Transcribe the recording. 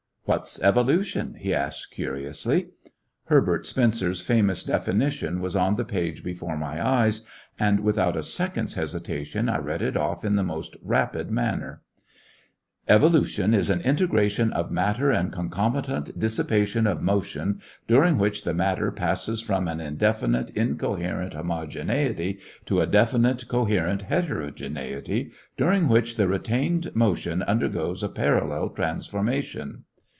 "Wat 's evolution! " he asked curiously. Herbert Spencer's famous definition was on the page before my eyes, and without a sec ond's hesitation I read it off in the most rapid manner : "Evolution is an integration of matter and concomitant dissipation of motion, during which the matter passes from an indefinite, 91 ^cotCections of a incoherent homogeneity to a definite, coherent heterogeneity, during which the retained mo tion undergoes a parallel transformation."